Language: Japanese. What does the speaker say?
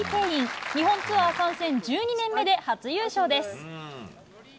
日本ツアー参戦１２年目で初優勝です。